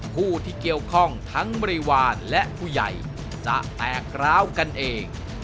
ผู้ที่เกี่ยวข้องทั้งบริวารและผู้ใหญ่จะแตกร้าวกันเอง